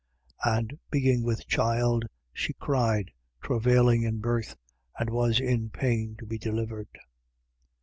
And being with child, she cried travailing in birth: and was in pain to be delivered.